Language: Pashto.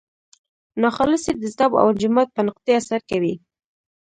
ناخالصې د ذوب او انجماد په نقطې اثر کوي.